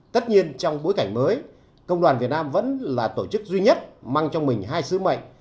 tất nhiên trong bối cảnh mới công đoàn việt nam vẫn là tổ chức duy nhất mang trong mình hai sứ mệnh